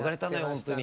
本当に。